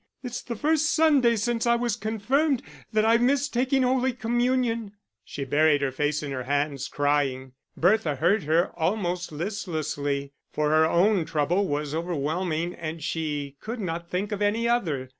It's the first Sunday since I was confirmed, that I've missed taking Holy Communion." She buried her face in her hands, crying. Bertha heard her, almost listlessly; for her own trouble was overwhelming and she could not think of any other.